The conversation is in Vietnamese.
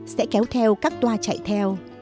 sẽ kéo theo các toa chạy theo